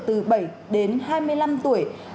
từ bảy đến hai mươi năm tuổi